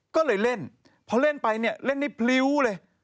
ก็เลยเล่นเพราะเล่นไปเล่นได้พริ้วเลย